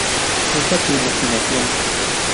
Usa tu imaginación!